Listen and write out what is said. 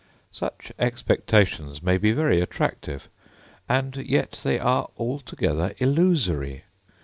Such expectations may be very attractive, and yet they are altogether illusory!